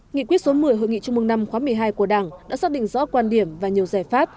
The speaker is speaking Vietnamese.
nghị quyết số một mươi hội nghị trung mương năm khóa một mươi hai của đảng đã xác định rõ quan điểm và nhiều giải pháp